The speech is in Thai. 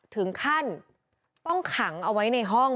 ถึงขั้นต้องขังเอาไว้ในห้อง